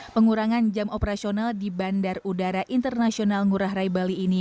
pengurangan jam operasional di bandar udara internasional ngurah rai bali ini